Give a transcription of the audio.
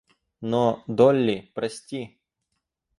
Но, Долли, прости!